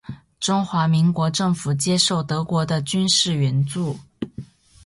中华民国政府接受德国的军事援助。